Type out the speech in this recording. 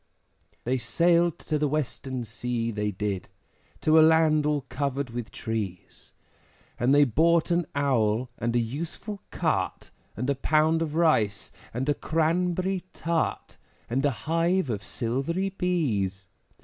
They sailed to the Western Sea, they did, To a land all covered with trees, And they bought an Owl, and a useful Cart, And a pound of Rice, and a Cranberry Tart, And a hive of silvery Bees.